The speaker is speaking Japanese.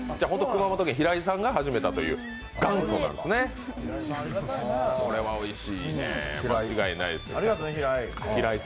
熊本県でヒライさんが始めたという、元祖なんですね。